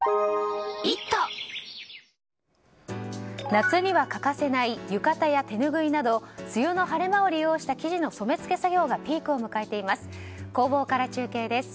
夏には欠かせない浴衣や手ぬぐいなど梅雨の晴れ間を利用した生地の染め付け作業がピークを迎えています。